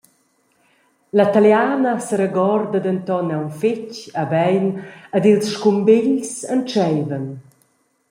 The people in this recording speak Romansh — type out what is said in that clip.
La Taliana seregorda denton aunc fetg e bein ed ils scumbegls entscheivan.